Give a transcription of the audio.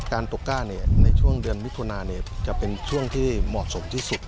ตกก้าในช่วงเดือนมิถุนาจะเป็นช่วงที่เหมาะสมที่สุด